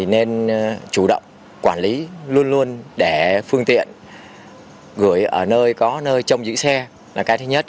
nên chủ động quản lý luôn luôn để phương tiện gửi ở nơi có nơi trong giữ xe là cái thứ nhất